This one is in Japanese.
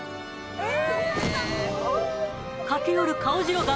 えっ？